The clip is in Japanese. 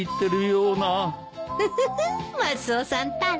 フフフマスオさんったら。